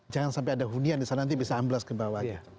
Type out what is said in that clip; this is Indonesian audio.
jangan sampai ada hunian disana nanti bisa amblas ke bawah